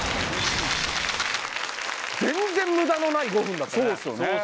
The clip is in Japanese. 全然無駄のない５分だったね。